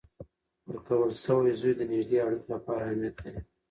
ورکول سوی زوی د نږدې اړیکو لپاره اهمیت لري.